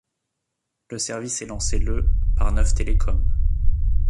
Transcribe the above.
Le service est lancé le par Neuf Télécom.